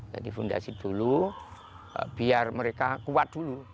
jadi fundasi dulu biar mereka kuat dulu